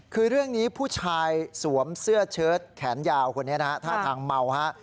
คือเรื่องนี้ผู้ชายสวมสือเชื้อแขนยาวต้าทองเมาค่ะ